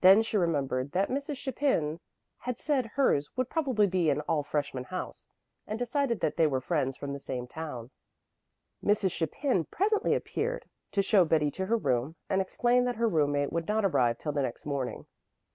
Then she remembered that Mrs. Chapin had said hers would probably be an "all freshman house," and decided that they were friends from the same town. Mrs. Chapin presently appeared, to show Betty to her room and explain that her roommate would not arrive till the next morning.